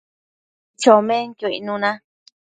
chomenquio icnuna